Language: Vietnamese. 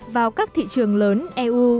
vào các thị trường lớn eu